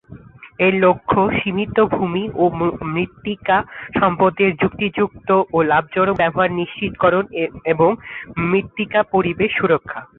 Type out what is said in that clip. এর লক্ষ্য সীমিত ভূমি ও মৃত্তিকা সম্পদের যুক্তিযুক্ত ও লাভজনক ব্যবহার নিশ্চিতকরণ এবং মৃত্তিকা পরিবেশ সুরক্ষা।